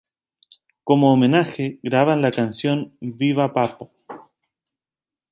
Como homenaje, graban la canción Viva Pappo.